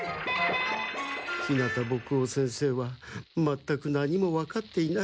日向墨男先生はまったく何もわかっていない。